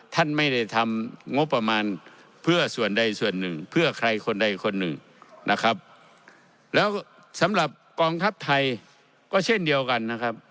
ท่านไม่ได้ทำงบประมาณเพื่อส่วนใดส่วนหนึ่งเพื่อใครคนใดคนหนึ่งนะครับ